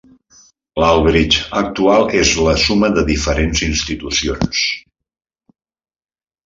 L'Albright actual és la suma de diferents institucions.